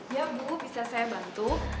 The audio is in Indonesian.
ya bu bisa saya bantu